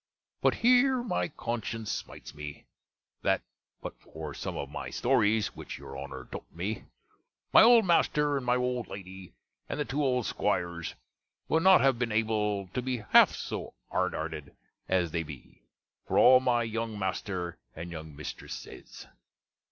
But here my conscience smites me, that, but for some of my stories, which your Honner taute me, my old master, and my old lady, and the two old 'squires, would not have been able to be half so hardhearted as they be, for all my younge master and younge mistress sayes.